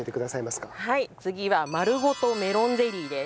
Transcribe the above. はい次は丸ごとメロンゼリーです。